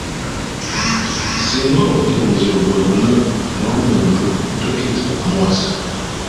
Singa oba weddira omuziro gwe gumu n'omuntu tokkirizibwa kumuwasa.